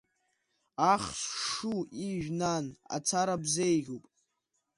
Ахш шшу ижә, нан, ацара бзеиӷьуп…